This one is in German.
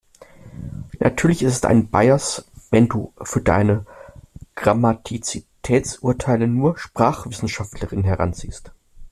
Natürlich ist es ein Bias, wenn du für deine Grammatizitätsurteile nur SprachwissenschaftlerInnen heranziehst.